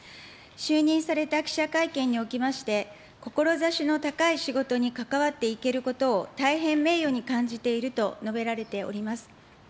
就任された記者会見におきまして、志の高い仕事に関わっていけることを大変名誉に感じていると述べられております。